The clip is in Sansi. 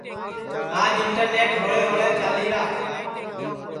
آج انٹرنیٹ ہوݪے ہوݪے چالیرا ہے